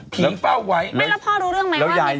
ผีเป้าไว้